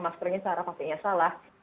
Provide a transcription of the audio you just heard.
maskernya secara pakainya salah